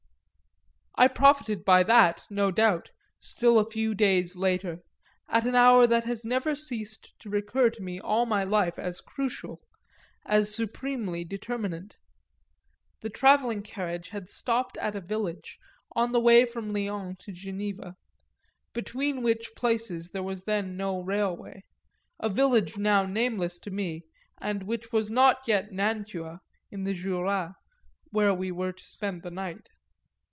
I profited by that, no doubt, still a few days later, at an hour that has never ceased to recur to me all my life as crucial, as supremely determinant. The travelling carriage had stopped at a village on the way from Lyons to Geneva, between which places there was then no railway; a village now nameless to me and which was not yet Nantua, in the Jura, where we were to spend the night.